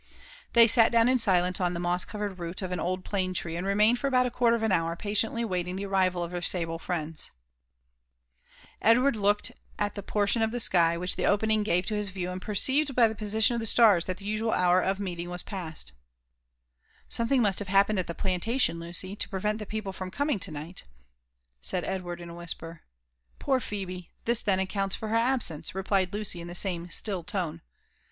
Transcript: They sat down in silence on the moss covered root ^f m old plane tree, and remained for about a quarter of An hour patiently waiting the arrival of their sable (riends. JONiTHAH JBFFERSOK WfflTLAW. US Edward fooked «i Ibat portk>Q af (ho sky which the openkig gave to bis view, «Ad pereeired bj Uie {MMition of the slars that the iiscud hmt of meeting was past. *' SomeihiBg must have happened at the plantation, Lucy, to pre yent the people from coming to night," said Edward in a whisper. Poor Phel^ ! tiiis then accounts for her absence," replied Lucy in the same still tone.